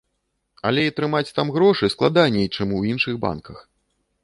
Але і атрымаць там грошы складаней, чым у іншых банках.